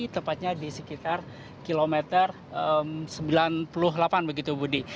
tepatnya di sekitar kilometer sembilan puluh delapan begitu budi